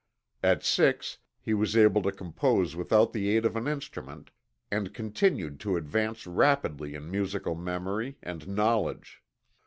At six he was able to compose without the aid of an instrument, and continued to advance rapidly in musical memory and knowledge.